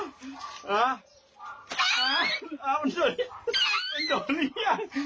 มันโดนหรือยังมันโดนหรือยัง